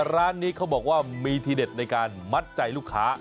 ร้านนี้เขาบอกว่ามีทีเด็ดในการมัดใจลูกค้า